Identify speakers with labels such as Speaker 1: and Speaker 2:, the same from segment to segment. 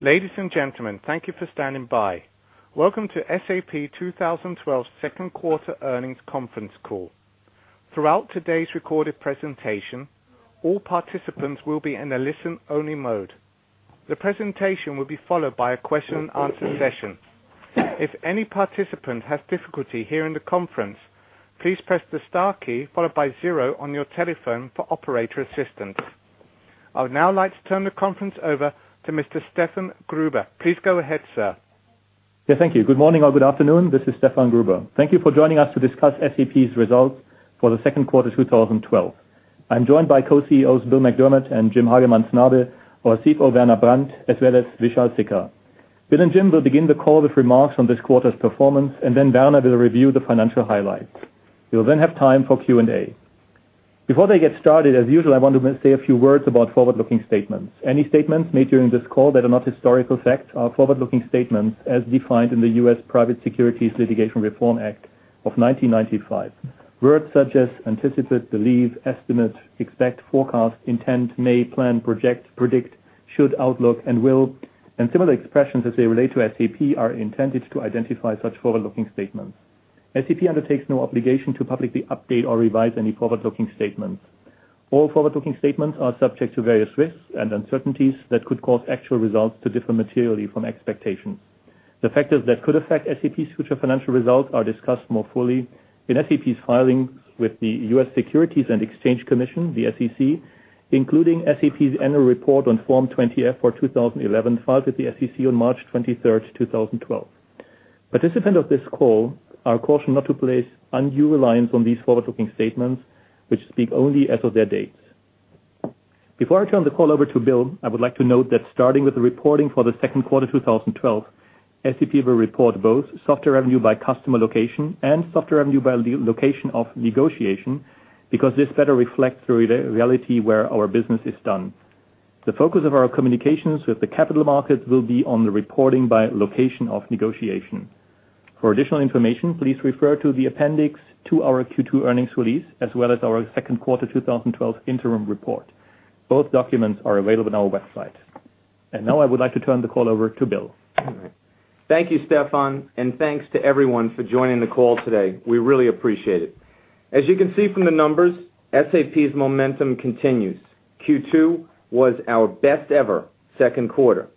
Speaker 1: Ladies and gentlemen, thank you for standing by. Welcome to SAP 2012 second quarter earnings conference call. Throughout today's recorded presentation, all participants will be in a listen-only mode. The presentation will be followed by a question and answer session. If any participant has difficulty hearing the conference, please press the star key followed by zero on your telephone for operator assistance. I would now like to turn the conference over to Mr. Stefan Gruber. Please go ahead, sir.
Speaker 2: Yeah, thank you. Good morning or good afternoon. This is Stefan Gruber. Thank you for joining us to discuss SAP's results for the second quarter 2012. I'm joined by co-CEOs Bill McDermott and Jim Hagemann Snabe, our CFO, Werner Brandt, as well as Vishal Sikka. Bill and Jim will begin the call with remarks on this quarter's performance. Werner will review the financial highlights. We will then have time for Q&A. Before they get started, as usual, I want to say a few words about forward-looking statements. Any statements made during this call that are not historical fact are forward-looking statements as defined in the U.S. Private Securities Litigation Reform Act of 1995. Words such as anticipate, believe, estimate, expect, forecast, intent, may, plan, project, predict, should, outlook, and will, and similar expressions as they relate to SAP, are intended to identify such forward-looking statements. SAP undertakes no obligation to publicly update or revise any forward-looking statements. All forward-looking statements are subject to various risks and uncertainties that could cause actual results to differ materially from expectations. The factors that could affect SAP's future financial results are discussed more fully in SAP's filings with the U.S. Securities and Exchange Commission, the SEC, including SAP's annual report on Form 20-F for 2011, filed with the SEC on March 23rd, 2012. Participants of this call are cautioned not to place undue reliance on these forward-looking statements, which speak only as of their dates. Before I turn the call over to Bill, I would like to note that starting with the reporting for the second quarter 2012, SAP will report both software revenue by customer location and software revenue by location of negotiation because this better reflects the reality where our business is done. The focus of our communications with the capital markets will be on the reporting by location of negotiation. For additional information, please refer to the appendix to our Q2 earnings release, as well as our second quarter 2012 interim report. Both documents are available on our website. Now I would like to turn the call over to Bill.
Speaker 3: Thank you, Stefan, and thanks to everyone for joining the call today. We really appreciate it. As you can see from the numbers, SAP's momentum continues. Q2 was our best ever second quarter.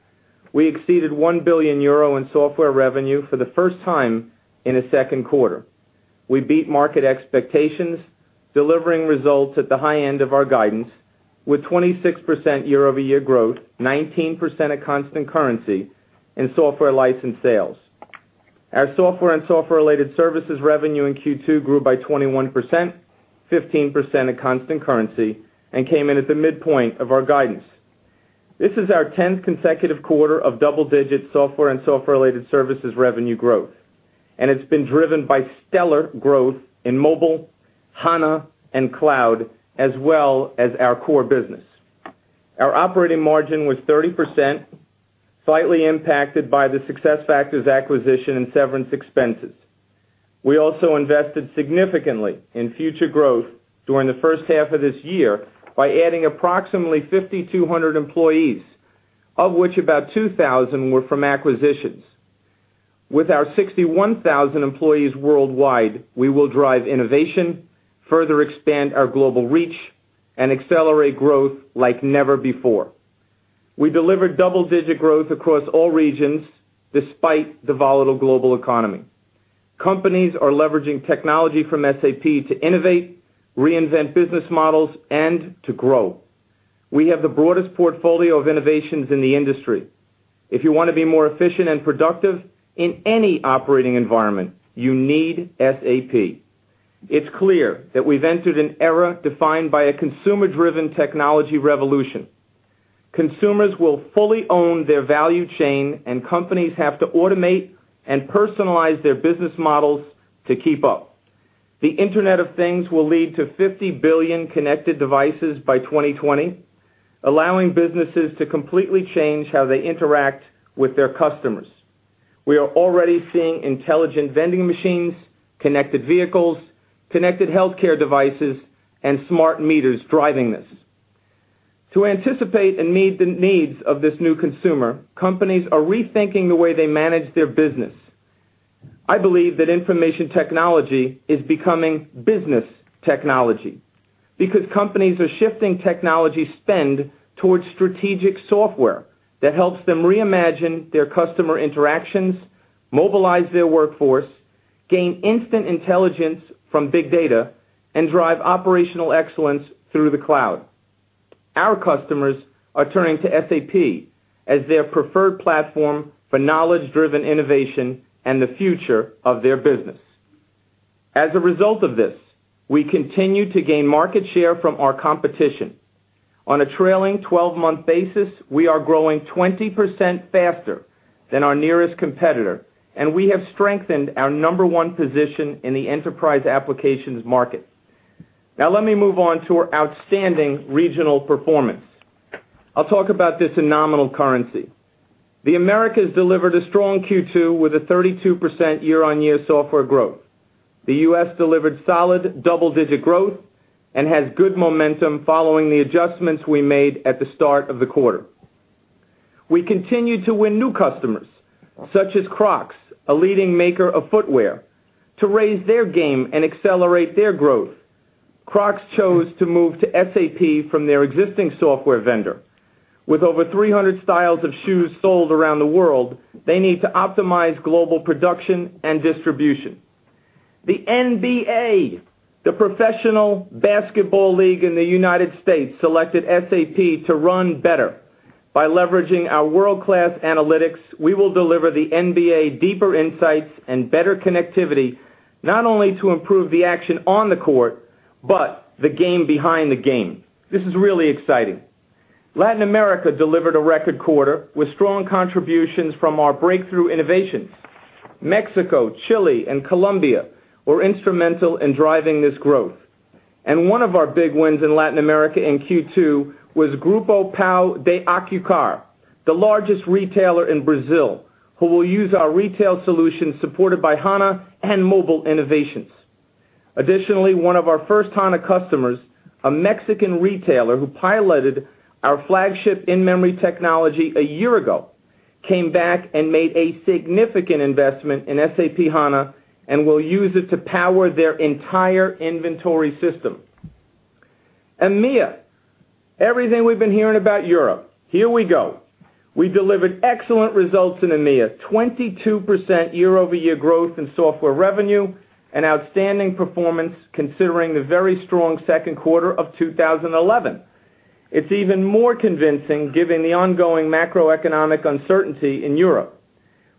Speaker 3: We exceeded 1 billion euro in software revenue for the first time in a second quarter. We beat market expectations, delivering results at the high end of our guidance with 26% year-over-year growth, 19% at constant currency in software license sales. Our software and software-related services revenue in Q2 grew by 21%, 15% at constant currency, and came in at the midpoint of our guidance. This is our 10th consecutive quarter of double-digit software and software-related services revenue growth, and it's been driven by stellar growth in mobile, HANA, and cloud, as well as our core business. Our operating margin was 30%, slightly impacted by the SuccessFactors acquisition and severance expenses. We also invested significantly in future growth during the first half of this year by adding approximately 5,200 employees, of which about 2,000 were from acquisitions. With our 61,000 employees worldwide, we will drive innovation, further expand our global reach, and accelerate growth like never before. We delivered double-digit growth across all regions despite the volatile global economy. Companies are leveraging technology from SAP to innovate, reinvent business models, and to grow. We have the broadest portfolio of innovations in the industry. If you want to be more efficient and productive in any operating environment, you need SAP. It's clear that we've entered an era defined by a consumer-driven technology revolution. Consumers will fully own their value chain, and companies have to automate and personalize their business models to keep up. The Internet of Things will lead to 50 billion connected devices by 2020, allowing businesses to completely change how they interact with their customers. We are already seeing intelligent vending machines, connected vehicles, connected healthcare devices, and smart meters driving this. To anticipate and meet the needs of this new consumer, companies are rethinking the way they manage their business. I believe that information technology is becoming business technology because companies are shifting technology spend towards strategic software that helps them reimagine their customer interactions, mobilize their workforce, gain instant intelligence from big data, and drive operational excellence through the cloud. Our customers are turning to SAP as their preferred platform for knowledge-driven innovation and the future of their business. As a result of this, we continue to gain market share from our competition. On a trailing 12-month basis, we are growing 20% faster than our nearest competitor, and we have strengthened our number one position in the enterprise applications market. Let me move on to our outstanding regional performance. I'll talk about this in nominal currency. The Americas delivered a strong Q2 with a 32% year-on-year software growth. The U.S. delivered solid double-digit growth and has good momentum following the adjustments we made at the start of the quarter. We continued to win new customers, such as Crocs, a leading maker of footwear, to raise their game and accelerate their growth. Crocs chose to move to SAP from their existing software vendor. With over 300 styles of shoes sold around the world, they need to optimize global production and distribution. The NBA, the professional basketball league in the United States, selected SAP to run better. By leveraging our world-class analytics, we will deliver the NBA deeper insights and better connectivity, not only to improve the action on the court, but the game behind the game. This is really exciting. Latin America delivered a record quarter with strong contributions from our breakthrough innovations. Mexico, Chile, and Colombia were instrumental in driving this growth. One of our big wins in Latin America in Q2 was Grupo Pão de Açúcar, the largest retailer in Brazil, who will use our retail solutions supported by HANA and mobile innovations. Additionally, one of our first HANA customers, a Mexican retailer who piloted our flagship in-memory technology a year ago, came back and made a significant investment in SAP HANA and will use it to power their entire inventory system. EMEA, everything we've been hearing about Europe. Here we go. We delivered excellent results in EMEA, 22% year-over-year growth in software revenue and outstanding performance considering the very strong second quarter of 2011. It's even more convincing given the ongoing macroeconomic uncertainty in Europe.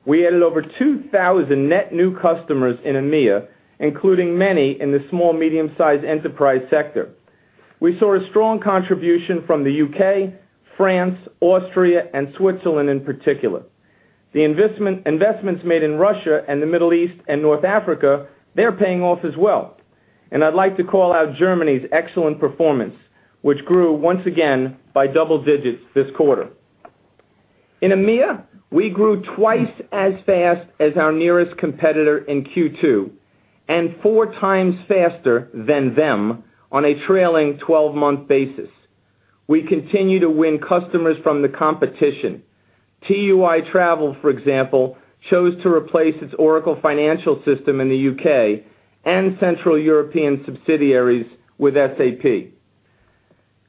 Speaker 3: We added over 2,000 net new customers in EMEA, including many in the small, medium-sized enterprise sector. We saw a strong contribution from the U.K., France, Austria, and Switzerland in particular. The investments made in Russia and the Middle East and North Africa, they're paying off as well. I'd like to call out Germany's excellent performance, which grew once again by double digits this quarter. In EMEA, we grew twice as fast as our nearest competitor in Q2 and four times faster than them on a trailing 12-month basis. We continue to win customers from the competition. TUI Travel, for example, chose to replace its Oracle financial system in the U.K. and Central European subsidiaries with SAP.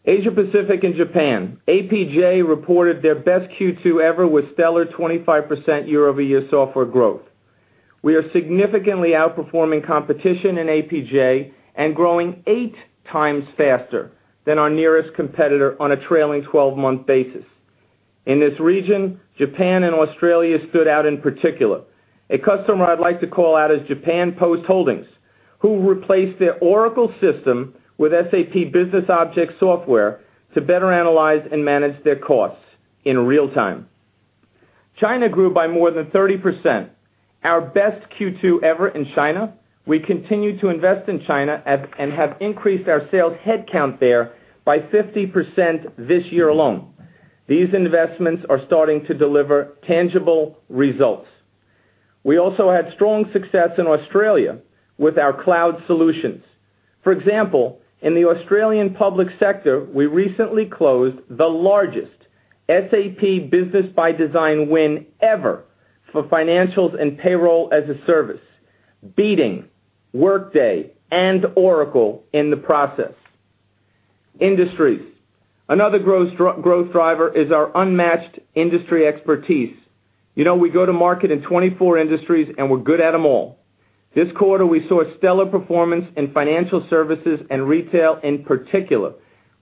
Speaker 3: Asia Pacific and Japan. APJ reported their best Q2 ever with stellar 25% year-over-year software growth. We are significantly outperforming competition in APJ and growing eight times faster than our nearest competitor on a trailing 12-month basis. In this region, Japan and Australia stood out in particular. A customer I'd like to call out is Japan Post Holdings, who replaced their Oracle system with SAP BusinessObjects software to better analyze and manage their costs in real time. China grew by more than 30%, our best Q2 ever in China. We continue to invest in China and have increased our sales headcount there by 50% this year alone. These investments are starting to deliver tangible results. We also had strong success in Australia with our cloud solutions. For example, in the Australian public sector, we recently closed the largest SAP Business ByDesign win ever for financials and payroll as a service, beating Workday and Oracle in the process. Industries. Another growth driver is our unmatched industry expertise. We go to market in 24 industries, and we're good at them all. This quarter, we saw stellar performance in financial services and retail in particular,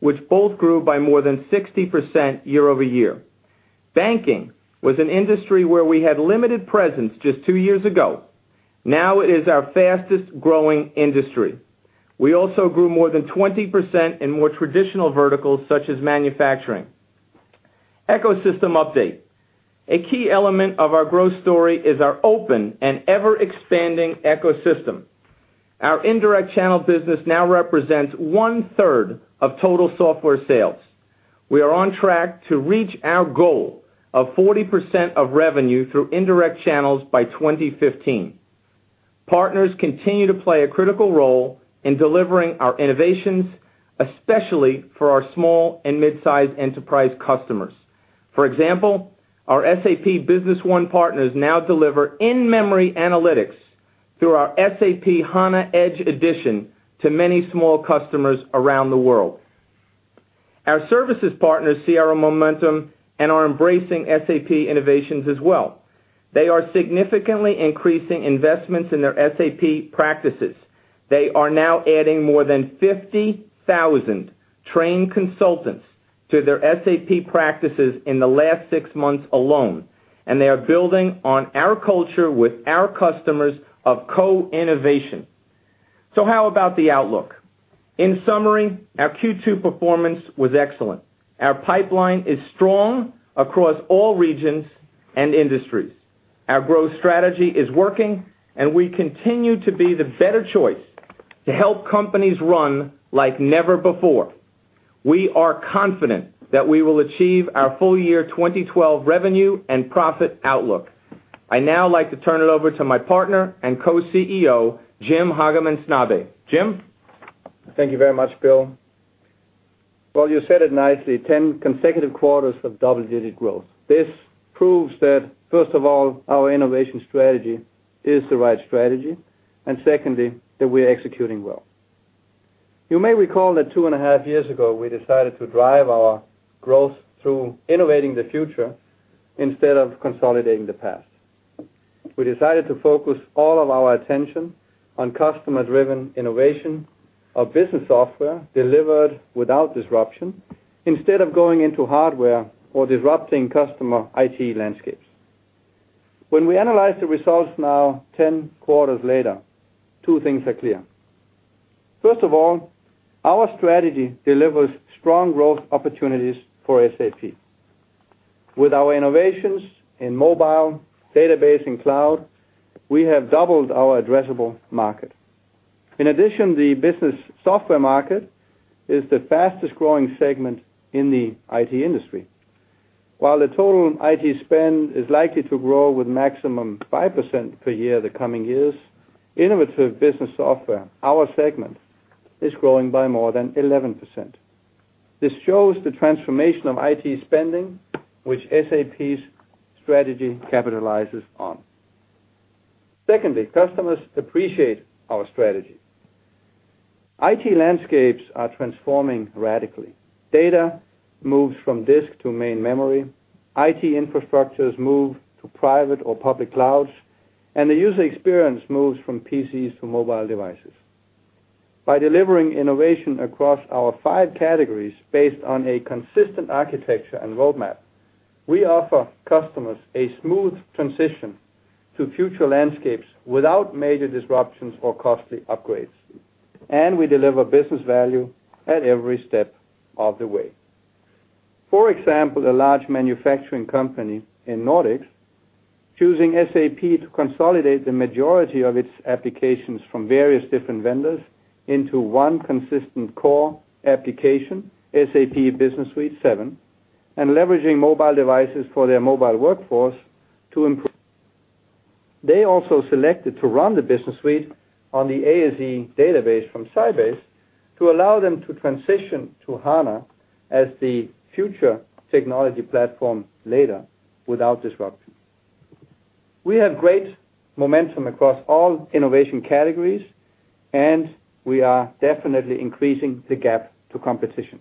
Speaker 3: which both grew by more than 60% year-over-year. Banking was an industry where we had limited presence just two years ago. Now it is our fastest-growing industry. We also grew more than 20% in more traditional verticals such as manufacturing. Ecosystem update. A key element of our growth story is our open and ever-expanding ecosystem. Our indirect channel business now represents one-third of total software sales. We are on track to reach our goal of 40% of revenue through indirect channels by 2015. Partners continue to play a critical role in delivering our innovations, especially for our small and midsize enterprise customers. For example, our SAP Business One partners now deliver in-memory analytics through our SAP HANA, Edge edition to many small customers around the world. Our services partners see our momentum and are embracing SAP innovations as well. They are significantly increasing investments in their SAP practices. They are now adding more than 50,000 trained consultants to their SAP practices in the last six months alone. They are building on our culture with our customers of co-innovation. How about the outlook? In summary, our Q2 performance was excellent. Our pipeline is strong across all regions and industries. Our growth strategy is working. We continue to be the better choice to help companies run like never before. We are confident that we will achieve our full year 2012 revenue and profit outlook. I'd now like to turn it over to my partner and Co-Chief Executive Officer, Jim Hagemann Snabe. Jim?
Speaker 4: Thank you very much, Bill. You said it nicely, 10 consecutive quarters of double-digit growth. This proves that, first of all, our innovation strategy is the right strategy. Secondly, that we are executing well. You may recall that two and a half years ago, we decided to drive our growth through innovating the future instead of consolidating the past. We decided to focus all of our attention on customer-driven innovation of business software delivered without disruption, instead of going into hardware or disrupting customer IT landscapes. When we analyze the results now, 10 quarters later, two things are clear. First of all, our strategy delivers strong growth opportunities for SAP. With our innovations in mobile, database, cloud, we have doubled our addressable market. In addition, the business software market is the fastest-growing segment in the IT industry. While the total IT spend is likely to grow with maximum 5% per year the coming years, innovative business software, our segment, is growing by more than 11%. This shows the transformation of IT spending, which SAP's strategy capitalizes on. Secondly, customers appreciate our strategy. IT landscapes are transforming radically. Data moves from disk to main memory, IT infrastructures move to private or public clouds. The user experience moves from PCs to mobile devices. By delivering innovation across our five categories based on a consistent architecture and roadmap, we offer customers a smooth transition to future landscapes without major disruptions or costly upgrades. We deliver business value at every step of the way. For example, a large manufacturing company in Nordics choosing SAP to consolidate the majority of its applications from various different vendors into one consistent core application, SAP Business Suite 7, and leveraging mobile devices for their mobile workforce to improve. They also selected to run the business suite on the ASE database from Sybase to allow them to transition to HANA as the future technology platform later without disruption. We have great momentum across all innovation categories, and we are definitely increasing the gap to competition.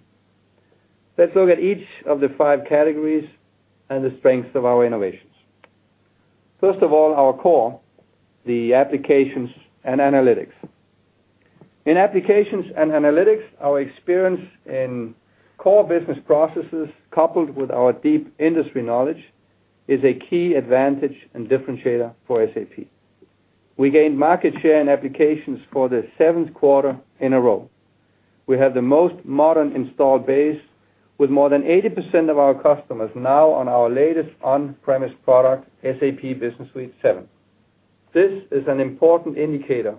Speaker 4: Let's look at each of the five categories and the strengths of our innovations. First of all, our core, the applications and analytics. In applications and analytics, our experience in core business processes, coupled with our deep industry knowledge, is a key advantage and differentiator for SAP. We gained market share and applications for the seventh quarter in a row. We have the most modern install base, with more than 80% of our customers now on our latest on-premise product, SAP Business Suite 7. This is an important indicator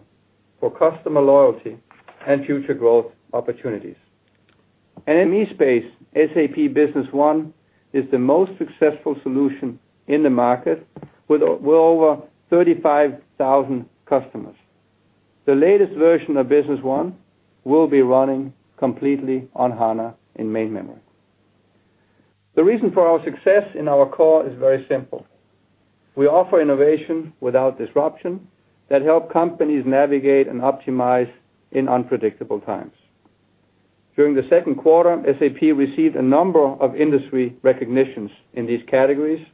Speaker 4: for customer loyalty and future growth opportunities. In SME space, SAP Business One is the most successful solution in the market, with well over 35,000 customers. The latest version of Business One will be running completely on HANA in main memory. The reason for our success in our core is very simple. We offer innovation without disruption that help companies navigate and optimize in unpredictable times. During the second quarter, SAP received a number of industry recognitions in these categories.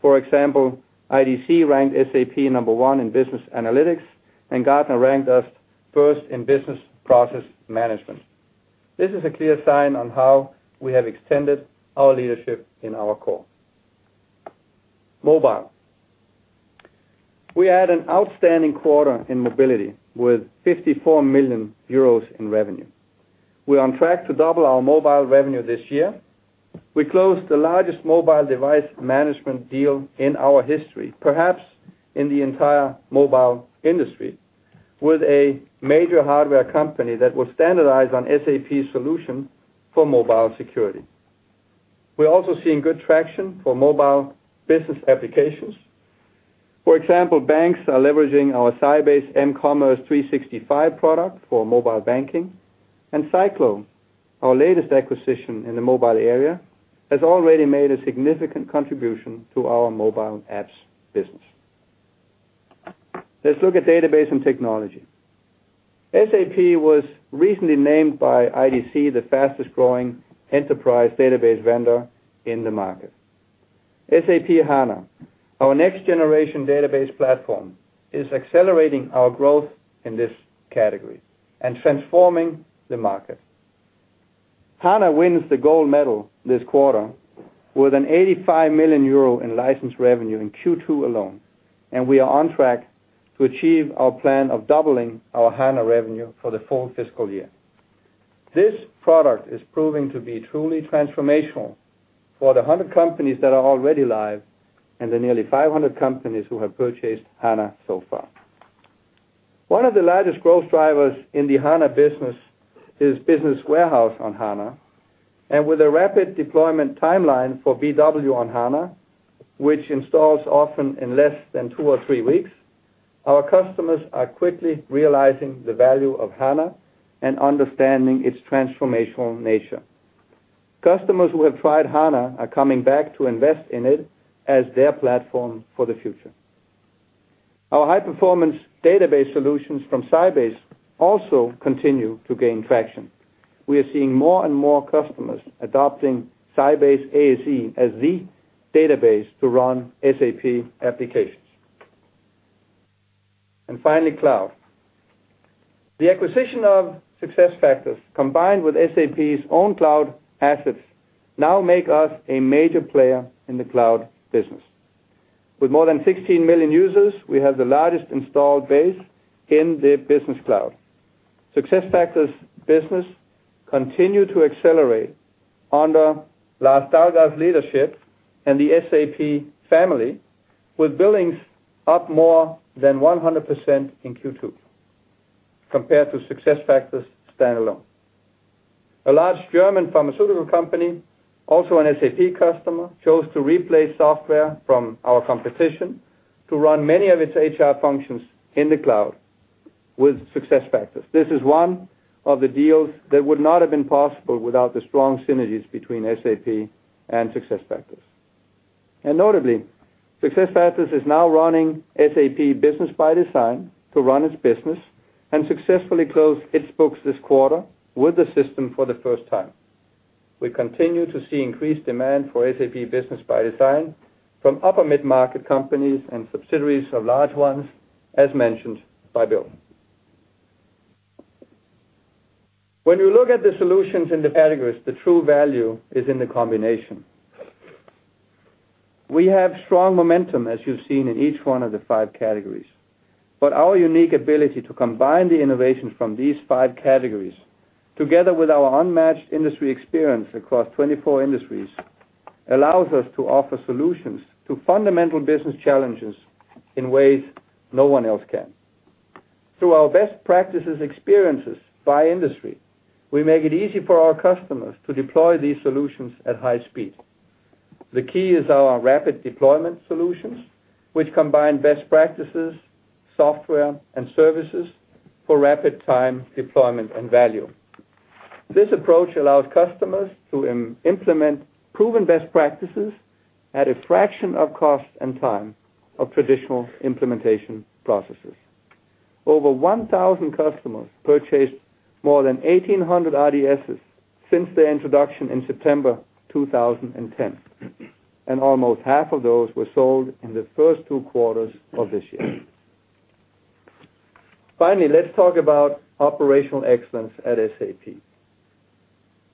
Speaker 4: For example, IDC ranked SAP number 1 in business analytics, and Gartner ranked us first in business process management. This is a clear sign on how we have extended our leadership in our core. Mobile. We had an outstanding quarter in mobility with 54 million euros in revenue. We are on track to double our mobile revenue this year. We closed the largest mobile device management deal in our history, perhaps in the entire mobile industry, with a major hardware company that will standardize on SAP solution for mobile security. We are also seeing good traction for mobile business applications. For example, banks are leveraging our Sybase 365 product for mobile banking, and Syclo, our latest acquisition in the mobile area, has already made a significant contribution to our mobile apps business. Let's look at database and technology. SAP was recently named by IDC the fastest-growing enterprise database vendor in the market. SAP HANA, our next-generation database platform, is accelerating our growth in this category and transforming the market. HANA wins the gold medal this quarter with an 85 million euro in license revenue in Q2 alone, we are on track to achieve our plan of doubling our HANA revenue for the full fiscal year. This product is proving to be truly transformational for the 100 companies that are already live and the nearly 500 companies who have purchased HANA so far. One of the largest growth drivers in the HANA business is BW on HANA. With a rapid deployment timeline for BW on HANA, which installs often in less than two or three weeks, our customers are quickly realizing the value of HANA and understanding its transformational nature. Customers who have tried HANA are coming back to invest in it as their platform for the future. Our high-performance database solutions from Sybase also continue to gain traction. We are seeing more and more customers adopting Sybase ASE as the database to run SAP applications. Finally, cloud. The acquisition of SuccessFactors, combined with SAP's own cloud assets, now make us a major player in the cloud business. With more than 16 million users, we have the largest installed base in the business cloud. SuccessFactors business continue to accelerate under Lars Dalgaard's leadership and the SAP family, with billings up more than 100% in Q2, compared to SuccessFactors standalone. A large German pharmaceutical company, also an SAP customer, chose to replace software from our competition to run many of its HR functions in the cloud with SuccessFactors. This is one of the deals that would not have been possible without the strong synergies between SAP and SuccessFactors. Notably, SuccessFactors is now running SAP Business ByDesign to run its business and successfully closed its books this quarter with the system for the first time. We continue to see increased demand for SAP Business ByDesign from upper mid-market companies and subsidiaries of large ones, as mentioned by Bill. When you look at the solutions in the categories, the true value is in the combination. We have strong momentum, as you've seen in each one of the five categories. Our unique ability to combine the innovations from these five categories, together with our unmatched industry experience across 24 industries, allows us to offer solutions to fundamental business challenges in ways no one else can. Through our best practices experiences by industry, we make it easy for our customers to deploy these solutions at high speed. The key is our rapid deployment solutions, which combine best practices, software, and services for rapid time deployment and value. This approach allows customers to implement proven best practices at a fraction of cost and time of traditional implementation processes. Over 1,000 customers purchased more than 1,800 RDS's since their introduction in September 2010, and almost half of those were sold in the first two quarters of this year. Finally, let's talk about operational excellence at SAP.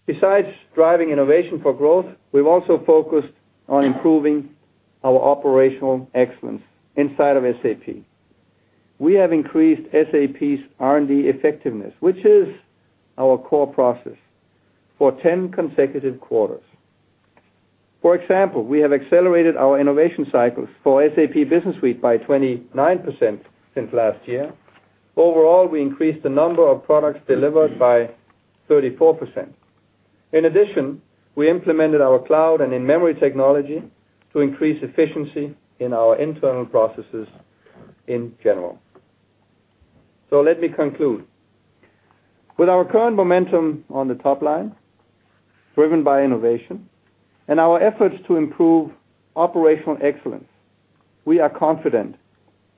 Speaker 4: Besides driving innovation for growth, we've also focused on improving our operational excellence inside of SAP. We have increased SAP's R&D effectiveness, which is our core process, for 10 consecutive quarters. For example, we have accelerated our innovation cycles for SAP Business Suite by 29% since last year. Overall, we increased the number of products delivered by 34%. In addition, we implemented our cloud and in-memory technology to increase efficiency in our internal processes in general. Let me conclude. With our current momentum on the top line, driven by innovation, and our efforts to improve operational excellence, we are confident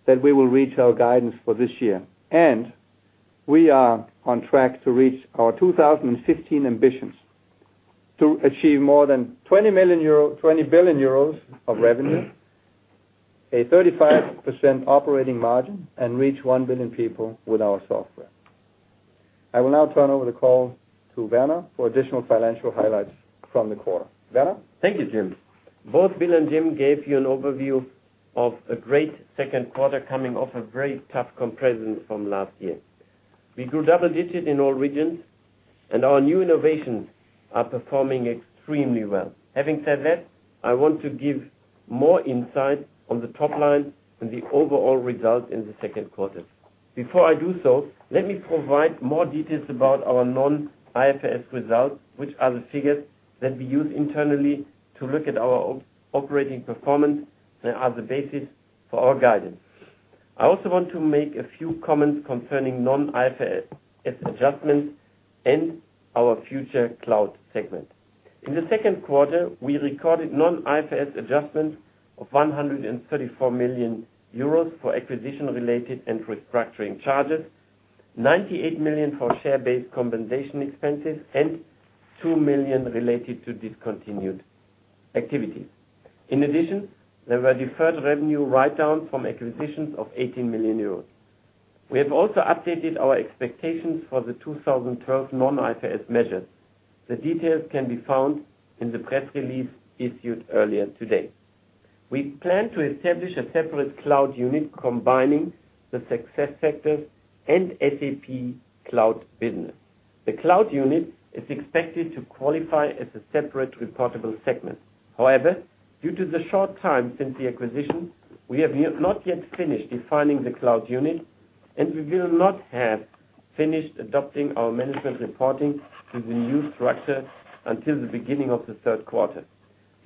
Speaker 4: that we will reach our guidance for this year, and we are on track to reach our 2015 ambitions to achieve more than 20 billion euro of revenue, a 35% operating margin, and reach one billion people with our software. I will now turn over the call to Werner for additional financial highlights from the quarter. Werner?
Speaker 5: Thank you, Jim. Both Bill and Jim gave you an overview of a great second quarter coming off a very tough comparison from last year. We grew double digits in all regions, and our new innovations are performing extremely well. Having said that, I want to give more insight on the top line and the overall result in the second quarter. Before I do so, let me provide more details about our non-IFRS results, which are the figures that we use internally to look at our operating performance. They are the basis for our guidance. I also want to make a few comments concerning non-IFRS adjustments and our future cloud segment. In the second quarter, we recorded non-IFRS adjustments of 134 million euros for acquisition-related and restructuring charges, 98 million for share-based compensation expenses, and 2 million related to discontinued activities. In addition, there were deferred revenue write-down from acquisitions of 18 million euros. We have also updated our expectations for the 2012 non-IFRS measures. The details can be found in the press release issued earlier today. We plan to establish a separate cloud unit combining the SuccessFactors and SAP cloud business. The cloud unit is expected to qualify as a separate reportable segment. However, due to the short time since the acquisition, we have not yet finished defining the cloud unit, and we will not have finished adopting our management reporting to the new structure until the beginning of the third quarter.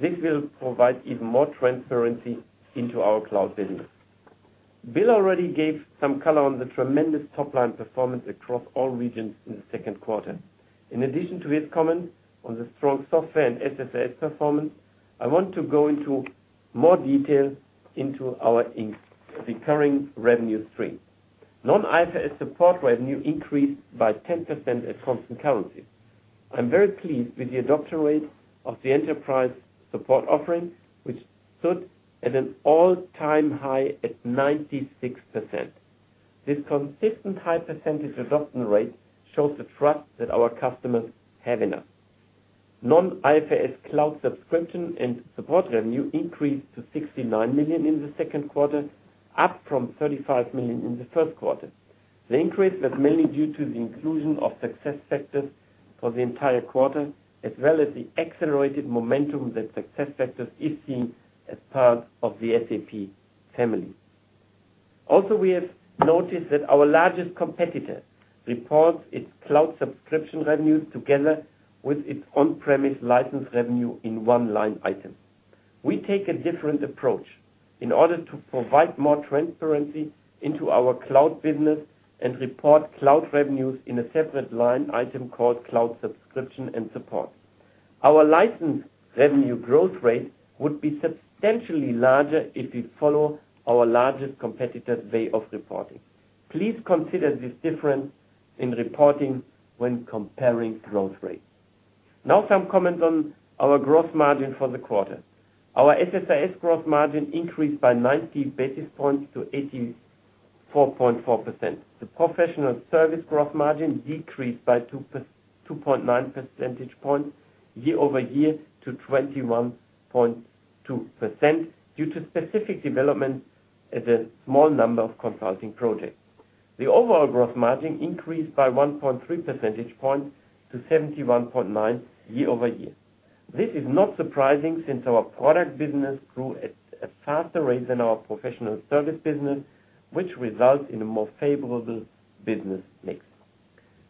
Speaker 5: This will provide even more transparency into our cloud business. Bill already gave some color on the tremendous top-line performance across all regions in the second quarter. In addition to his comments on the strong software and SaaS performance, I want to go into more detail into our recurring revenue stream. Non-IFRS support revenue increased by 10% at constant currency. I'm very pleased with the adoption rate of the enterprise support offering, which stood at an all-time high at 96%. This consistent high percentage adoption rate shows the trust that our customers have in us. Non-IFRS cloud subscription and support revenue increased to 69 million in the second quarter, up from 35 million in the first quarter. The increase was mainly due to the inclusion of SuccessFactors for the entire quarter, as well as the accelerated momentum that SuccessFactors is seen as part of the SAP family. Also, we have noticed that our largest competitor reports its cloud subscription revenues together with its on-premise license revenue in one line item. We take a different approach in order to provide more transparency into our cloud business and report cloud revenues in a separate line item called cloud subscription and support. Our license revenue growth rate would be substantially larger if we follow our largest competitor's way of reporting. Please consider this difference in reporting when comparing growth rates. Now some comments on our gross margin for the quarter. Our SaaS gross margin increased by 90 basis points to 84.4%. The professional service gross margin decreased by 2.9 percentage points year-over-year to 21.2% due to specific developments at a small number of consulting projects. The overall gross margin increased by 1.3 percentage points to 71.9% year-over-year. This is not surprising since our product business grew at a faster rate than our professional service business, which results in a more favorable business mix.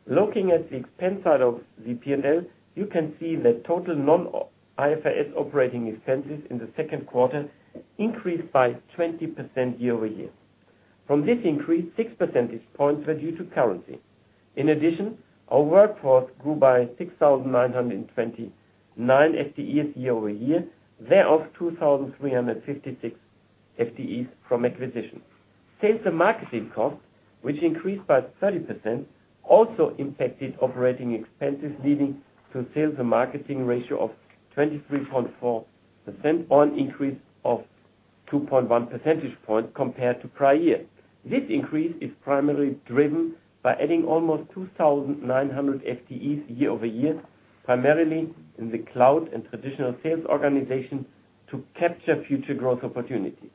Speaker 5: Looking at the expense side of the P&L, you can see that total non-IFRS operating expenses in the second quarter increased by 20% year-over-year. From this increase, six percentage points were due to currency. In addition, our workforce grew by 6,929 FTEs year-over-year, thereof 2,356 FTEs from acquisition. Sales and marketing cost, which increased by 30%, also impacted operating expenses, leading to sales and marketing ratio of 23.4%, an increase of 2.1 percentage points compared to prior year. This increase is primarily driven by adding almost 2,900 FTEs year-over-year, primarily in the cloud and traditional sales organization to capture future growth opportunities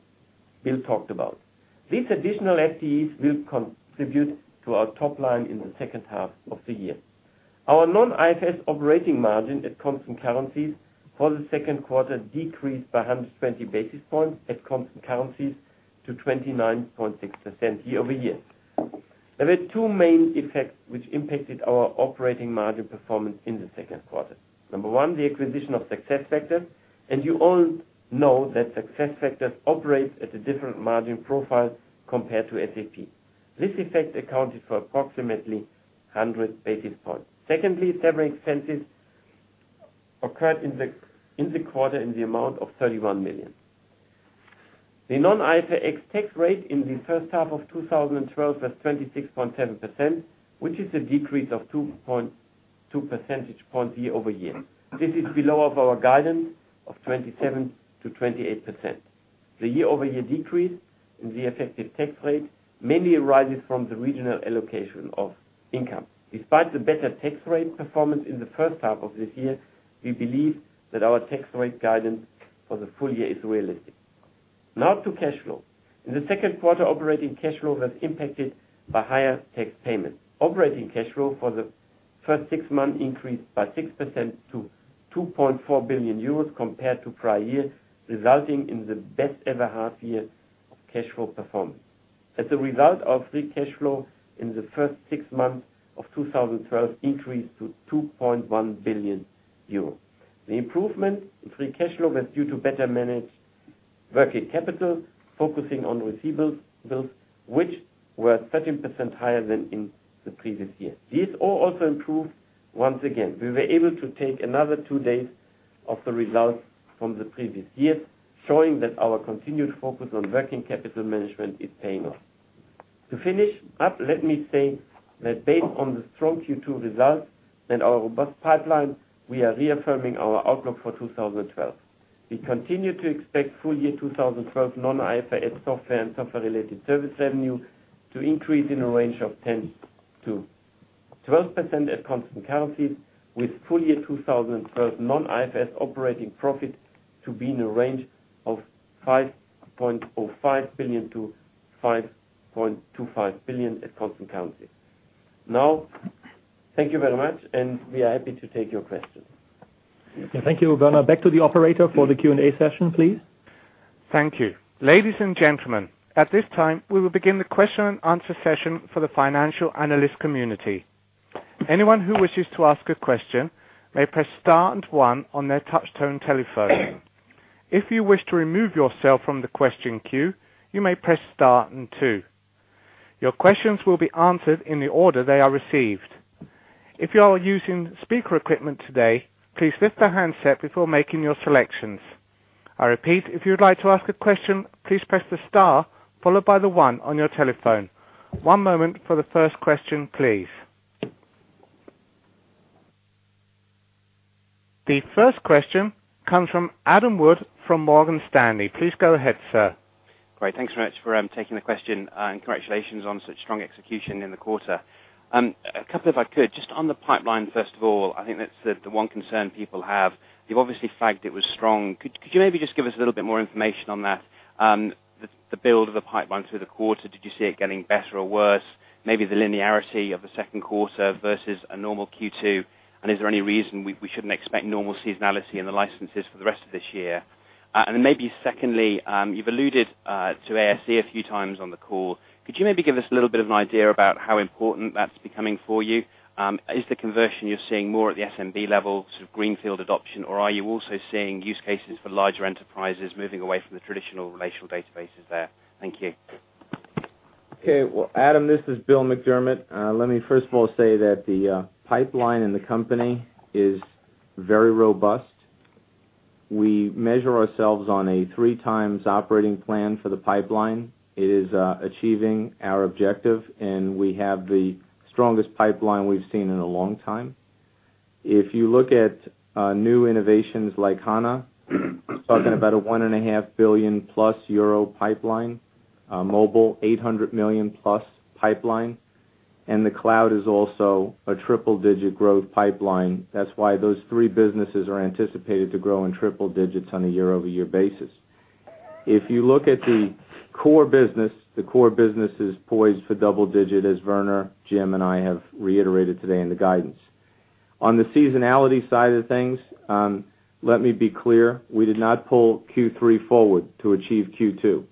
Speaker 5: Bill talked about. These additional FTEs will contribute to our top line in the second half of the year. Our non-IFRS operating margin at constant currencies for the second quarter decreased by 120 basis points at constant currencies to 29.6% year-over-year. There were two main effects which impacted our operating margin performance in the second quarter. Number one, the acquisition of SuccessFactors, and you all know that SuccessFactors operates at a different margin profile compared to SAP. This effect accounted for approximately 100 basis points. Secondly, severance expenses occurred in the quarter in the amount of 31 million. The non-IFRS tax rate in the first half of 2012 was 26.7%, which is a decrease of 2.2 percentage points year-over-year. This is below of our guidance of 27%-28%. The year-over-year decrease in the effective tax rate mainly arises from the regional allocation of income. Despite the better tax rate performance in the first half of this year, we believe that our tax rate guidance for the full year is realistic. Now to cash flow. In the second quarter, operating cash flow was impacted by higher tax payments. Operating cash flow for the first six months increased by 6% to 2.4 billion euros compared to prior year, resulting in the best ever half year of cash flow performance. As a result of free cash flow in the first six months of 2012 increased to 2.1 billion euro. The improvement in free cash flow was due to better managed working capital, focusing on receivables, which were 13% higher than in the previous year. Days of sales also improved once again. We were able to take another two days of the results from the previous years, showing that our continued focus on working capital management is paying off. To finish up, let me say that based on the strong Q2 results and our robust pipeline, we are reaffirming our outlook for 2012. We continue to expect full year 2012 non-IFRS software and software-related service revenue to increase in a range of 10%-12% at constant currencies, with full year 2012 non-IFRS operating profit to be in a range of 5.05 billion-5.25 billion. 5.25 billion at constant currency. Thank you very much, and we are happy to take your questions.
Speaker 2: Thank you, Werner. Back to the operator for the Q&A session, please.
Speaker 1: Thank you. Ladies and gentlemen, at this time, we will begin the question and answer session for the financial analyst community. Anyone who wishes to ask a question may press star and one on their touch-tone telephone. If you wish to remove yourself from the question queue, you may press star and two. Your questions will be answered in the order they are received. If you are using speaker equipment today, please lift the handset before making your selections. I repeat, if you'd like to ask a question, please press the star, followed by the one on your telephone. One moment for the first question, please. The first question comes from Adam Wood from Morgan Stanley. Please go ahead, sir.
Speaker 6: Thanks very much for taking the question, and congratulations on such strong execution in the quarter. A couple if I could, just on the pipeline, first of all, I think that's the one concern people have. You've obviously flagged it was strong. Could you maybe just give us a little bit more information on that? The build of the pipeline through the quarter, did you see it getting better or worse? Maybe the linearity of the second quarter versus a normal Q2, is there any reason we shouldn't expect normal seasonality in the licenses for the rest of this year? Maybe secondly, you've alluded to ASE a few times on the call. Could you maybe give us a little bit of an idea about how important that's becoming for you? Is the conversion you're seeing more at the SMB level, sort of greenfield adoption, or are you also seeing use cases for larger enterprises moving away from the traditional relational databases there? Thank you.
Speaker 3: Okay. Well, Adam, this is Bill McDermott. Let me first of all say that the pipeline in the company is very robust. We measure ourselves on a 3 times operating plan for the pipeline. It is achieving our objective, and we have the strongest pipeline we've seen in a long time. If you look at new innovations like HANA, talking about a 1.5 billion euro-plus pipeline. Mobile, $800 million-plus pipeline. The cloud is also a triple-digit growth pipeline. That's why those three businesses are anticipated to grow in triple digits on a year-over-year basis. If you look at the core business, the core business is poised for double digit, as Werner, Jim, and I have reiterated today in the guidance. On the seasonality side of things, let me be clear, we did not pull Q3 forward to achieve Q2.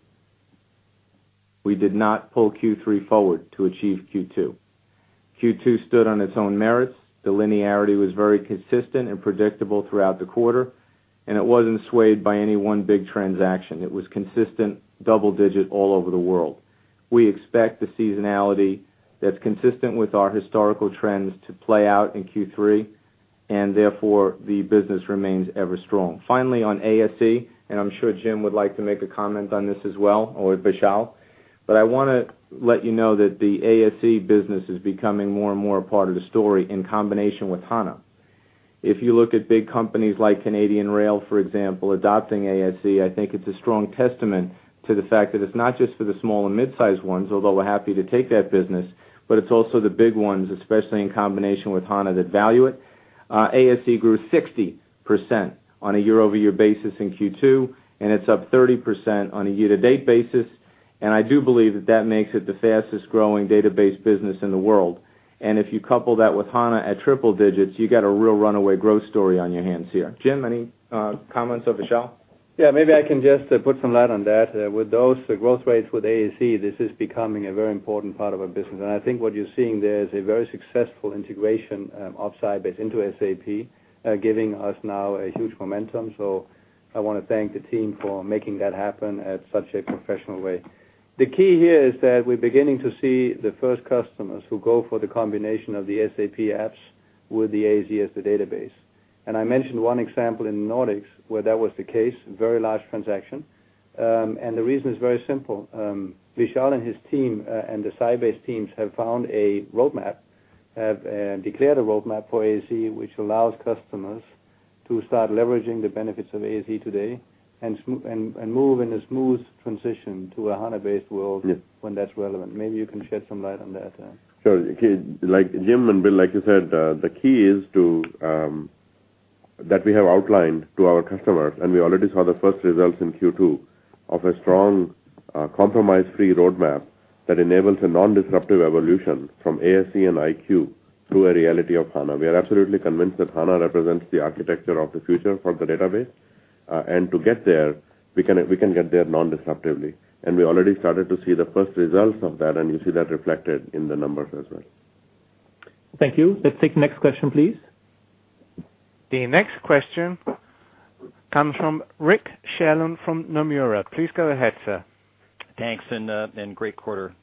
Speaker 3: We did not pull Q3 forward to achieve Q2. Q2 stood on its own merits. The linearity was very consistent and predictable throughout the quarter, and it wasn't swayed by any one big transaction. It was consistent, double digit all over the world. We expect the seasonality that's consistent with our historical trends to play out in Q3. Therefore, the business remains ever strong. Finally, on ASE, I'm sure Jim would like to make a comment on this as well, or Vishal. I want to let you know that the ASE business is becoming more and more a part of the story in combination with HANA. If you look at big companies like Canadian Rail, for example, adopting ASE, I think it's a strong testament to the fact that it's not just for the small and mid-sized ones, although we're happy to take that business, but it's also the big ones, especially in combination with HANA, that value it. ASE grew 60% on a year-over-year basis in Q2. It's up 30% on a year-to-date basis, and I do believe that that makes it the fastest-growing database business in the world. If you couple that with HANA at triple digits, you got a real runaway growth story on your hands here. Jim, any comments, or Vishal?
Speaker 4: Yeah, maybe I can just put some light on that. With those growth rates with ASE, this is becoming a very important part of our business. I think what you're seeing there is a very successful integration of Sybase into SAP, giving us now a huge momentum. I want to thank the team for making that happen at such a professional way. The key here is that we're beginning to see the first customers who go for the combination of the SAP apps with the ASE as the database. I mentioned one example in Nordics where that was the case, very large transaction. The reason is very simple. Vishal and his team, and the Sybase teams, have found a roadmap, have declared a roadmap for ASE, which allows customers to start leveraging the benefits of ASE today, and move in a smooth transition to a HANA-based world
Speaker 7: Yes
Speaker 4: when that's relevant. Maybe you can shed some light on that.
Speaker 7: Sure. Jim and Bill, like you said, the key is to, that we have outlined to our customers, we already saw the first results in Q2, of a strong compromise-free roadmap that enables a non-disruptive evolution from ASE and IQ to a reality of HANA. We are absolutely convinced that HANA represents the architecture of the future for the database. To get there, we can get there non-disruptively. We already started to see the first results of that, and you see that reflected in the numbers as well.
Speaker 2: Thank you. Let's take the next question, please.
Speaker 1: The next question comes from Rick Sherlund from Nomura. Please go ahead, sir.
Speaker 8: Thanks, great quarter.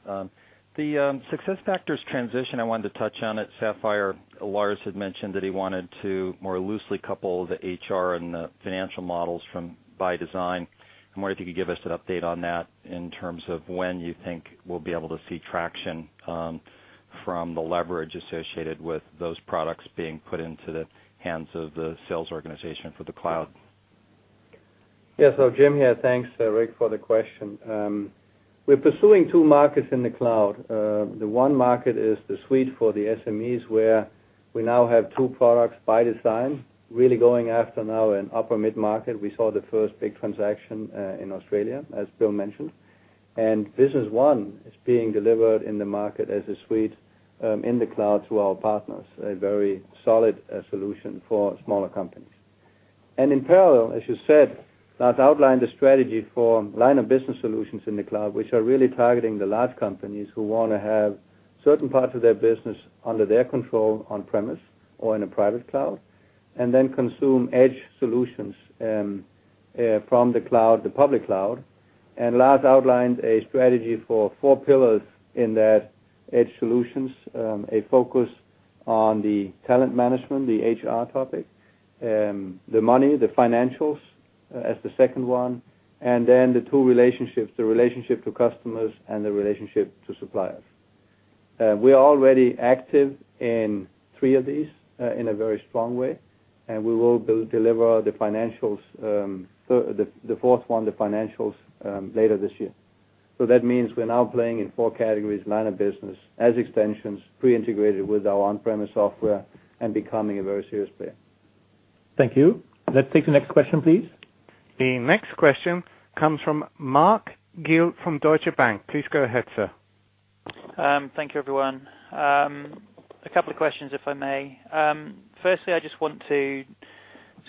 Speaker 8: The SuccessFactors transition, I wanted to touch on at SAPPHIRE. Lars had mentioned that he wanted to more loosely couple the HR and the financial models from ByDesign. I'm wondering if you could give us an update on that in terms of when you think we'll be able to see traction from the leverage associated with those products being put into the hands of the sales organization for the cloud.
Speaker 4: Jim here. Thanks, Rick, for the question. We're pursuing two markets in the cloud. The one market is the suite for the SMEs, where we now have two products, ByDesign, really going after now an upper mid-market. We saw the first big transaction, in Australia, as Bill mentioned. Business One is being delivered in the market as a suite in the cloud to our partners, a very solid solution for smaller companies. In parallel, as you said, Lars outlined the strategy for line-of-business solutions in the cloud, which are really targeting the large companies who want to have certain parts of their business under their control, on-premise or in a private cloud, and then consume edge solutions from the public cloud. Lars outlined a strategy for 4 pillars in that edge solutions, a focus on the talent management, the HR topic, the money, the financials as the second one, and then the 2 relationships, the relationship to customers and the relationship to suppliers. We are already active in 3 of these in a very strong way, and we will deliver the fourth one, the financials, later this year. That means we're now playing in 4 categories, line of business as extensions pre-integrated with our on-premise software and becoming a very serious player.
Speaker 2: Thank you. Let's take the next question, please.
Speaker 1: The next question comes from Mark Gil from Deutsche Bank. Please go ahead, sir.
Speaker 9: Thank you, everyone. A couple of questions, if I may. Firstly, I just want to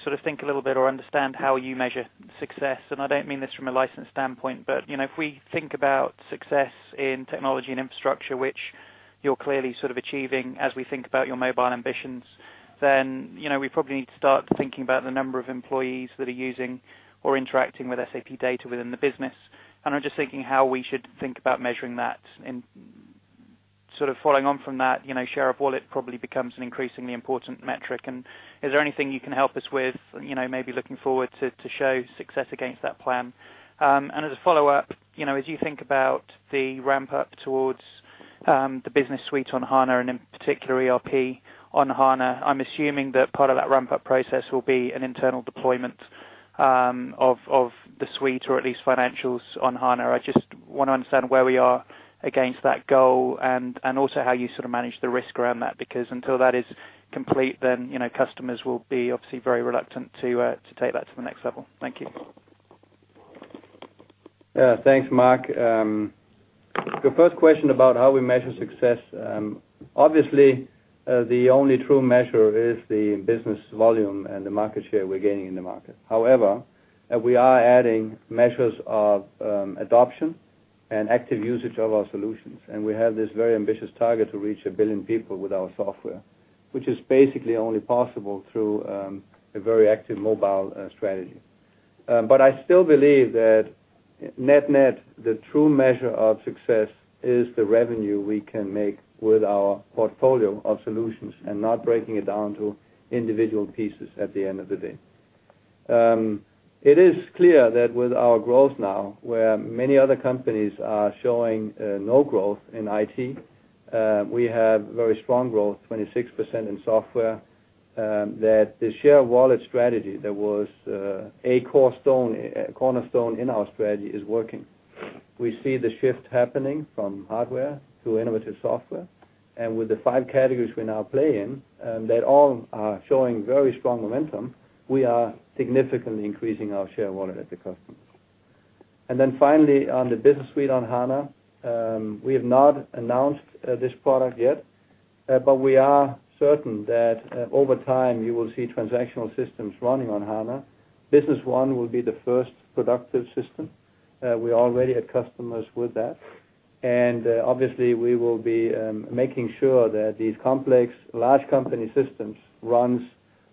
Speaker 9: sort of think a little bit or understand how you measure success, I don't mean this from a license standpoint, but if we think about success in technology and infrastructure, which you're clearly sort of achieving as we think about your mobile ambitions, then we probably need to start thinking about the number of employees that are using or interacting with SAP data within the business. I'm just thinking how we should think about measuring that, and sort of following on from that, share of wallet probably becomes an increasingly important metric. Is there anything you can help us with, maybe looking forward to show success against that plan? As a follow-up, as you think about the ramp-up towards the Business Suite on HANA, and in particular ERP on HANA, I'm assuming that part of that ramp-up process will be an internal deployment of the suite or at least financials on HANA. I just want to understand where we are against that goal and also how you sort of manage the risk around that, because until that is complete, customers will be obviously very reluctant to take that to the next level. Thank you.
Speaker 4: Yeah. Thanks, Mark. The first question about how we measure success. Obviously, the only true measure is the business volume and the market share we're gaining in the market. However, we are adding measures of adoption and active usage of our solutions. We have this very ambitious target to reach a billion people with our software, which is basically only possible through a very active mobile strategy. I still believe that net-net, the true measure of success is the revenue we can make with our portfolio of solutions and not breaking it down to individual pieces at the end of the day. It is clear that with our growth now, where many other companies are showing no growth in IT, we have very strong growth, 26% in software, that the share of wallet strategy that was a cornerstone in our strategy is working. We see the shift happening from hardware to innovative software. With the five categories we now play in, that all are showing very strong momentum, we are significantly increasing our share of wallet at the customers. Finally, on the Business Suite on HANA, we have not announced this product yet, but we are certain that over time you will see transactional systems running on HANA. Business One will be the first productive system. We already have customers with that. Obviously, we will be making sure that these complex large company systems runs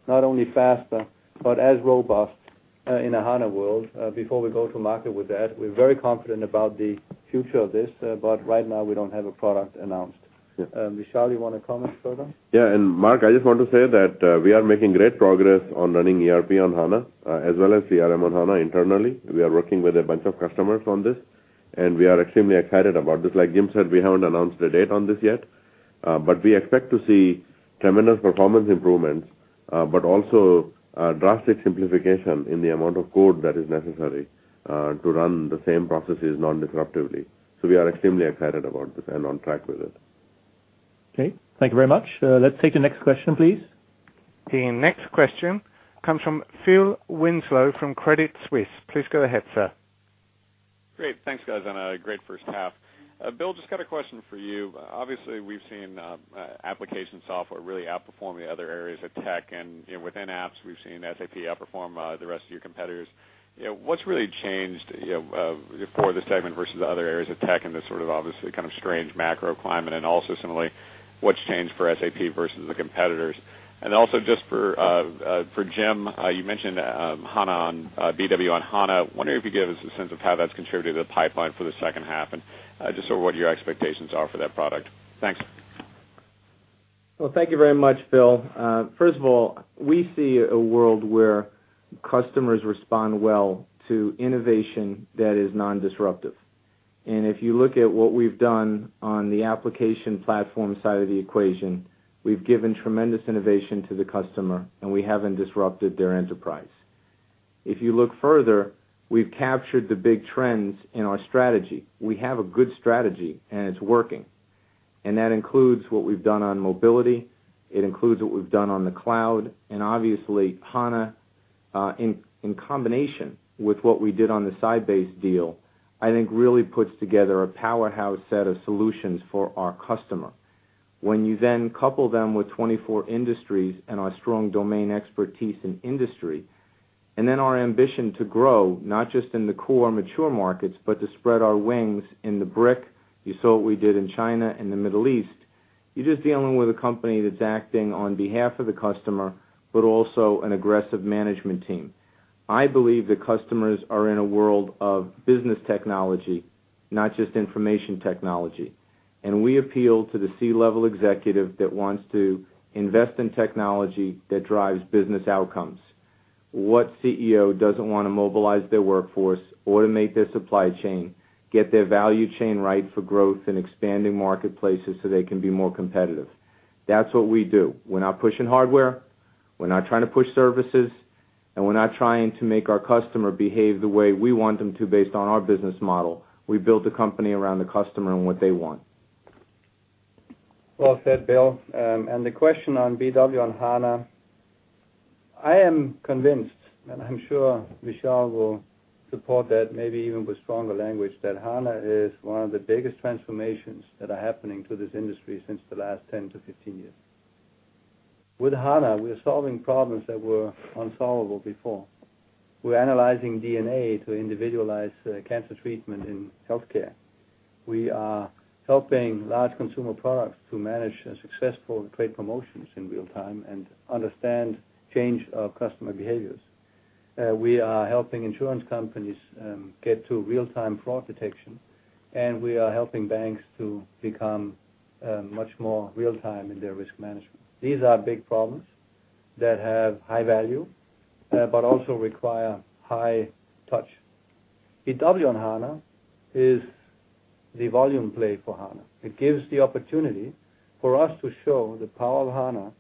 Speaker 4: not only faster but as robust in a HANA world before we go to market with that. We're very confident about the future of this, but right now we don't have a product announced. Vishal, you want to comment further?
Speaker 7: Yeah. Mark, I just want to say that we are making great progress on running ERP on HANA, as well as CRM on HANA internally. We are working with a bunch of customers on this, and we are extremely excited about this. Like Jim said, we haven't announced a date on this yet, but we expect to see tremendous performance improvements, but also drastic simplification in the amount of code that is necessary to run the same processes non-disruptively. We are extremely excited about this and on track with it.
Speaker 2: Okay. Thank you very much. Let's take the next question, please.
Speaker 1: The next question comes from Phil Winslow from Credit Suisse. Please go ahead, sir.
Speaker 10: Great. Thanks, guys, on a great first half. Bill, just got a question for you. Obviously, we've seen application software really outperforming the other areas of tech, and within apps, we've seen SAP outperform the rest of your competitors. What's really changed for this segment versus other areas of tech in this sort of obviously kind of strange macro climate? Similarly, what's changed for SAP versus the competitors? Just for Jim, you mentioned BW on HANA. Wondering if you could give us a sense of how that's contributed to the pipeline for the second half and just sort of what your expectations are for that product. Thanks.
Speaker 3: Well, thank you very much, Phil. First of all, we see a world where customers respond well to innovation that is non-disruptive. If you look at what we've done on the application platform side of the equation, we've given tremendous innovation to the customer, and we haven't disrupted their enterprise. If you look further, we've captured the big trends in our strategy. We have a good strategy, and it's working. That includes what we've done on mobility. It includes what we've done on the cloud, and obviously HANA, in combination with what we did on the Sybase deal, I think really puts together a powerhouse set of solutions for our customer. You then couple them with 24 industries and our strong domain expertise in industry, then our ambition to grow, not just in the core mature markets, but to spread our wings in the BRIC, you saw what we did in China and the Middle East. You're just dealing with a company that's acting on behalf of the customer, but also an aggressive management team. I believe that customers are in a world of business technology, not just information technology. We appeal to the C-level executive that wants to invest in technology that drives business outcomes. What CEO doesn't want to mobilize their workforce, automate their supply chain, get their value chain right for growth in expanding marketplaces so they can be more competitive? That's what we do. We're not pushing hardware, we're not trying to push services, and we're not trying to make our customer behave the way we want them to based on our business model. We build the company around the customer and what they want.
Speaker 4: Well said, Bill. The question on BW and HANA, I am convinced, and I'm sure Vishal will support that, maybe even with stronger language, that HANA is one of the biggest transformations that are happening to this industry since the last 10 to 15 years. With HANA, we are solving problems that were unsolvable before. We're analyzing DNA to individualize cancer treatment in healthcare. We are helping large consumer products to manage successful trade promotions in real time and understand change of customer behaviors. We are helping insurance companies get to real-time fraud detection, and we are helping banks to become much more real time in their risk management. These are big problems that have high value, but also require high touch. BW on HANA is the volume play for HANA. It gives the opportunity for us to show the power of HANA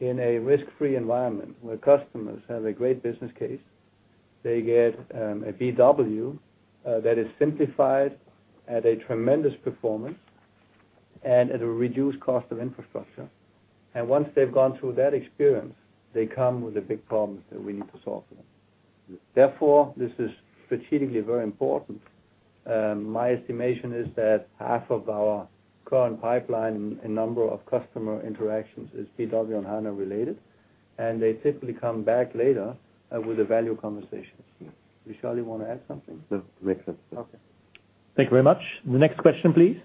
Speaker 4: in a risk-free environment, where customers have a great business case. They get a BW that is simplified at a tremendous performance and at a reduced cost of infrastructure. Once they've gone through that experience, they come with the big problems that we need to solve for them. Therefore, this is strategically very important. My estimation is that half of our current pipeline and number of customer interactions is BW on HANA related, and they typically come back later with the value conversations. Vishal, you want to add something?
Speaker 7: No. Great.
Speaker 4: Okay.
Speaker 2: Thank you very much. The next question, please.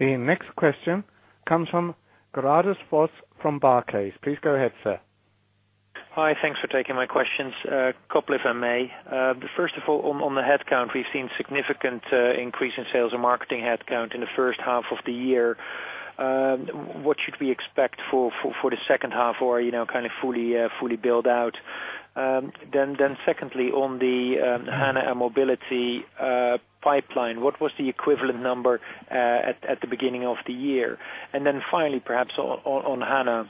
Speaker 1: The next question comes from Gerardus Vos from Barclays. Please go ahead, sir.
Speaker 11: Hi, thanks for taking my questions. A couple, if I may. First of all, on the headcount, we've seen significant increase in sales and marketing headcount in the first half of the year. What should we expect for the second half or kind of fully build out? Secondly, on the HANA and mobility pipeline, what was the equivalent number at the beginning of the year? Finally, perhaps on HANA,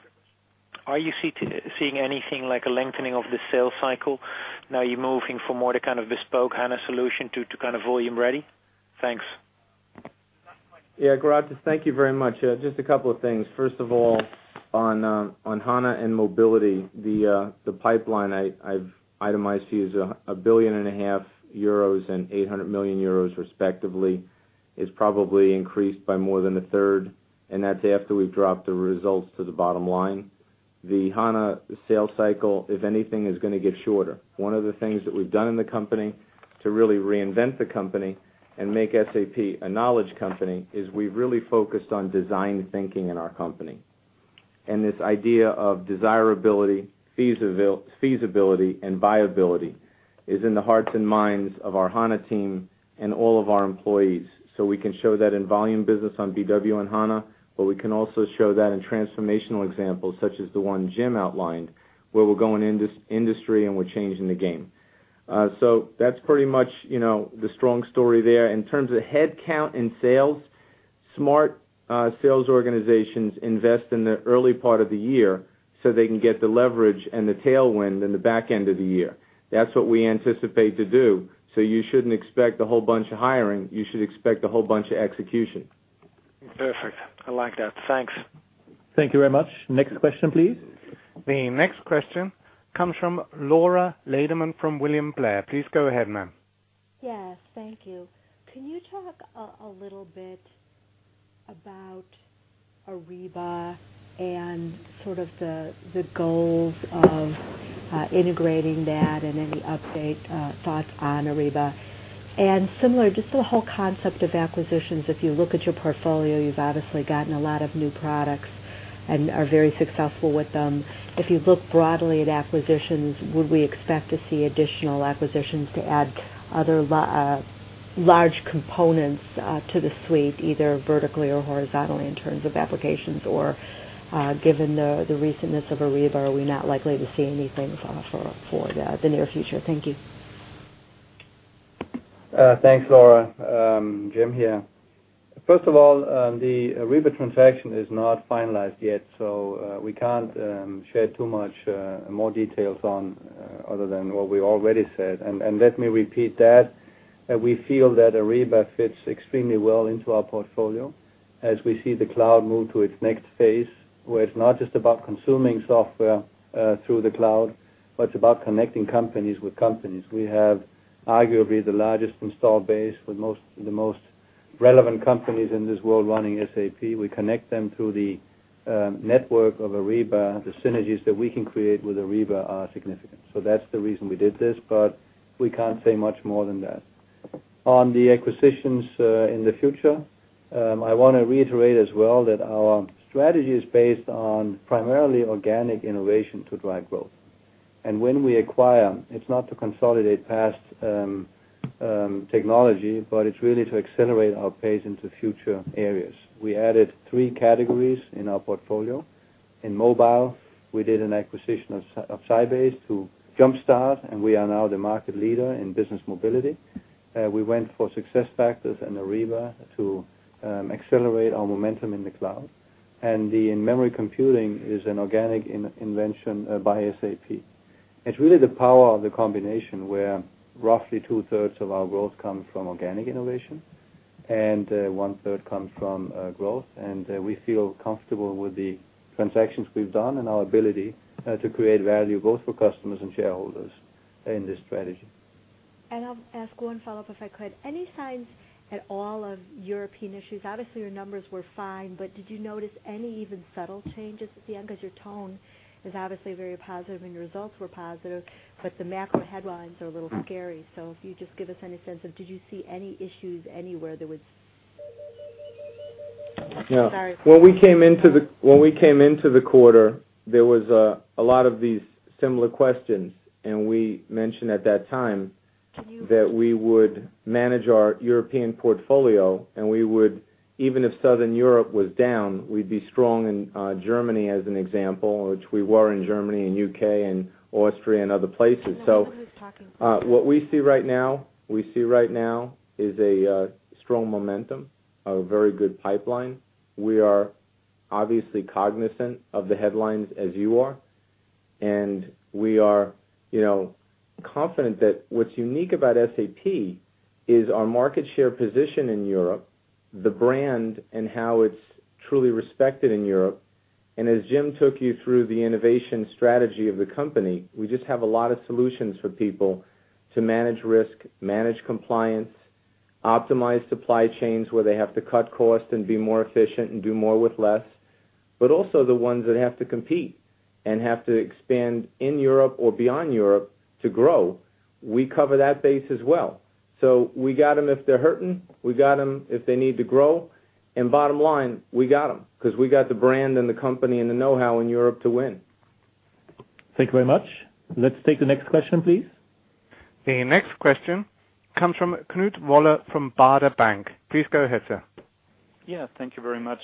Speaker 11: are you seeing anything like a lengthening of the sales cycle now you're moving from more the kind of bespoke HANA solution to kind of volume ready? Thanks.
Speaker 3: Gerardus, thank you very much. Just a couple of things. First of all, on HANA and mobility, the pipeline I've itemized here is 1.5 billion and 800 million euros respectively, is probably increased by more than a third, and that's after we've dropped the results to the bottom line. The HANA sales cycle, if anything, is going to get shorter. One of the things that we've done in the company to really reinvent the company and make SAP a knowledge company, is we've really focused on design thinking in our company. This idea of desirability, feasibility, and viability is in the hearts and minds of our HANA team and all of our employees. We can show that in volume business on BW and HANA, but we can also show that in transformational examples such as the one Jim outlined, where we're going in this industry and we're changing the game. That's pretty much the strong story there. In terms of headcount and sales, smart sales organizations invest in the early part of the year so they can get the leverage and the tailwind in the back end of the year. That's what we anticipate to do. You shouldn't expect a whole bunch of hiring. You should expect a whole bunch of execution.
Speaker 11: Perfect. I like that. Thanks.
Speaker 2: Thank you very much. Next question, please.
Speaker 1: The next question comes from Laura Lederman from William Blair. Please go ahead, ma'am.
Speaker 12: Yes. Thank you. Can you talk a little bit about Ariba and sort of the goals of integrating that and any update thoughts on Ariba? Similar, just the whole concept of acquisitions. If you look at your portfolio, you've obviously gotten a lot of new products and are very successful with them. If you look broadly at acquisitions, would we expect to see additional acquisitions to add other large components to the suite, either vertically or horizontally in terms of applications? Given the recentness of Ariba, are we not likely to see anything for the near future? Thank you.
Speaker 4: Thanks, Laura. Jim here. First of all, the Ariba transaction is not finalized yet, we can't share too much more details on other than what we already said. Let me repeat that We feel that Ariba fits extremely well into our portfolio, as we see the cloud move to its next phase, where it's not just about consuming software through the cloud, but it's about connecting companies with companies. We have arguably the largest install base with the most relevant companies in this world running SAP. We connect them through the network of Ariba. The synergies that we can create with Ariba are significant. That's the reason we did this, but we can't say much more than that. On the acquisitions in the future, I want to reiterate as well that our strategy is based on primarily organic innovation to drive growth. When we acquire, it's not to consolidate past technology, but it's really to accelerate our pace into future areas. We added 3 categories in our portfolio. In mobile, we did an acquisition of Sybase to jumpstart, and we are now the market leader in business mobility. We went for SuccessFactors and Ariba to accelerate our momentum in the cloud. The in-memory computing is an organic invention by SAP. It's really the power of the combination where roughly two-thirds of our growth comes from organic innovation, and one-third comes from growth. We feel comfortable with the transactions we've done and our ability to create value both for customers and shareholders in this strategy.
Speaker 12: I'll ask one follow-up, if I could. Any signs at all of European issues? Obviously, your numbers were fine, but did you notice any even subtle changes at the end? Your tone is obviously very positive, and your results were positive, but the macro headlines are a little scary. If you just give us any sense of, did you see any issues anywhere?
Speaker 3: When we came into the quarter, there was a lot of these similar questions, and we mentioned at that time that we would manage our European portfolio, and even if Southern Europe was down, we'd be strong in Germany, as an example, which we were in Germany, and U.K., and Austria, and other places.
Speaker 12: I don't know who's talking.
Speaker 3: What we see right now is a strong momentum, a very good pipeline. We are obviously cognizant of the headlines as you are. We are confident that what's unique about SAP is our market share position in Europe, the brand, and how it's truly respected in Europe. As Jim took you through the innovation strategy of the company, we just have a lot of solutions for people to manage risk, manage compliance, optimize supply chains where they have to cut costs and be more efficient and do more with less, but also the ones that have to compete and have to expand in Europe or beyond Europe to grow. We cover that base as well. We got them if they're hurting, we got them if they need to grow, and bottom line, we got them because we got the brand and the company and the know-how in Europe to win.
Speaker 2: Thank you very much. Let's take the next question, please.
Speaker 1: The next question comes from Knut Woller from Baader Bank. Please go ahead, sir.
Speaker 13: Yeah, thank you very much.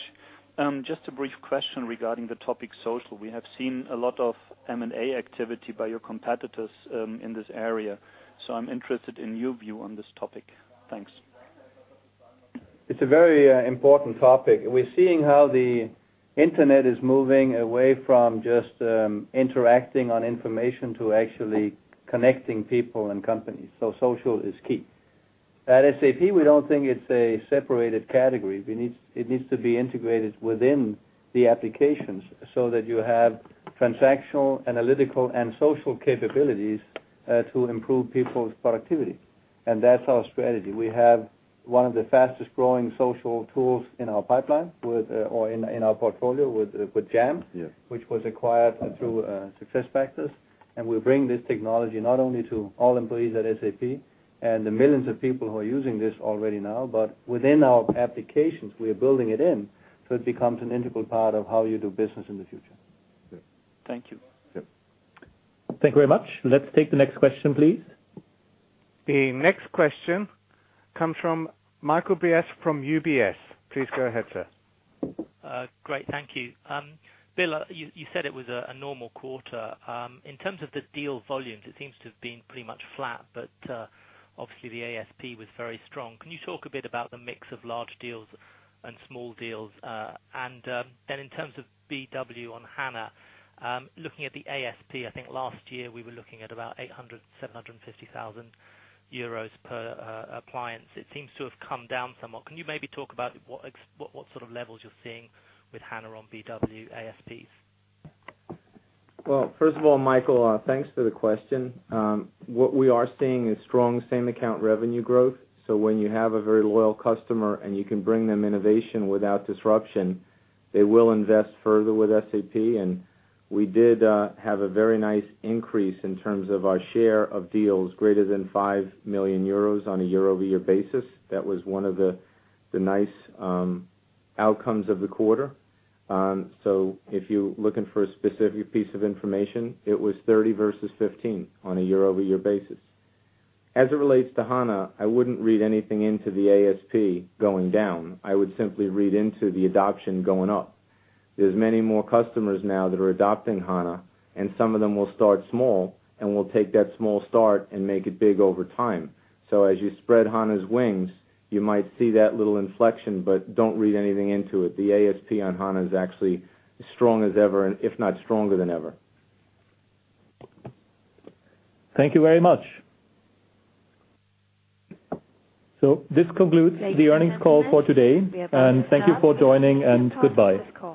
Speaker 13: Just a brief question regarding the topic social. We have seen a lot of M&A activity by your competitors in this area. I'm interested in your view on this topic. Thanks.
Speaker 4: It's a very important topic. We're seeing how the internet is moving away from just interacting on information to actually connecting people and companies. Social is key. At SAP, we don't think it's a separated category. It needs to be integrated within the applications so that you have transactional, analytical, and social capabilities to improve people's productivity. That's our strategy. We have one of the fastest-growing social tools in our pipeline or in our portfolio with SAP Jam.
Speaker 3: Yes
Speaker 4: Which was acquired through SuccessFactors. We bring this technology not only to all employees at SAP and the millions of people who are using this already now, but within our applications, we are building it in so it becomes an integral part of how you do business in the future.
Speaker 13: Thank you.
Speaker 3: Yeah.
Speaker 2: Thank you very much. Let's take the next question, please.
Speaker 1: The next question comes from Michael Briest from UBS. Please go ahead, sir.
Speaker 14: Great, thank you. Bill, you said it was a normal quarter. In terms of the deal volumes, it seems to have been pretty much flat, but obviously, the ASP was very strong. Can you talk a bit about the mix of large deals and small deals? Then in terms of BW on HANA, looking at the ASP, I think last year, we were looking at about 800,000, 750,000 euros per appliance. It seems to have come down somewhat. Can you maybe talk about what sort of levels you're seeing with HANA on BW ASPs?
Speaker 3: Well, first of all, Michael, thanks for the question. What we are seeing is strong same account revenue growth. When you have a very loyal customer and you can bring them innovation without disruption, they will invest further with SAP. We did have a very nice increase in terms of our share of deals greater than 5 million euros on a year-over-year basis. That was one of the nice outcomes of the quarter. If you're looking for a specific piece of information, it was 30 versus 15 on a year-over-year basis. As it relates to HANA, I wouldn't read anything into the ASP going down. I would simply read into the adoption going up. There's many more customers now that are adopting HANA, and some of them will start small, and we'll take that small start and make it big over time. As you spread HANA's wings, you might see that little inflection, but don't read anything into it. The ASP on HANA is actually as strong as ever, if not stronger than ever.
Speaker 2: Thank you very much. This concludes the earnings call for today, and thank you for joining, and goodbye.